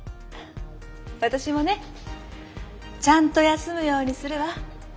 私もねちゃんと休むようにするわ。